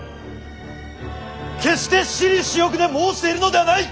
決して私利私欲で申しているのではない！